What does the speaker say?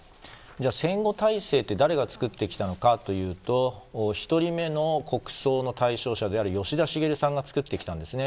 では、戦後体制って誰が作ってきたのかというと１人目の国葬の対象者である吉田茂さんが作ってきたんですね。